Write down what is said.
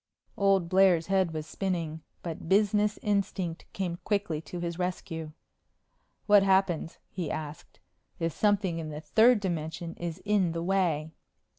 Old Blair's head was spinning, but business instinct came quickly to his rescue. "What happens," he asked, "if something in the third dimension is in the way?"